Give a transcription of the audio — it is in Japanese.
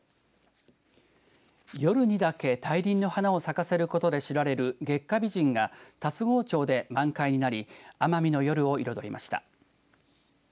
夜にだけ大輪の花を咲かせることで知られる月下美人が龍郷町で満開になり奄美の夜を彩りました。